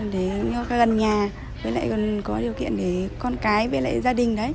để cho gần nhà với lại còn có điều kiện để con cái với lại gia đình đấy